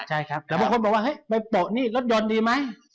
แต่บางคนบอกว่าไปโปะนี่รถยนต์ดีไหม